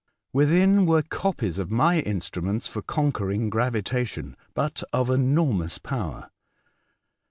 Within were copies of my instruments for conquering gravi tation, but of enormous power.